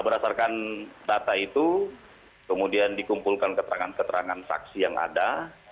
berdasarkan data itu kemudian dikumpulkan keterangan keterangan saksi yang ada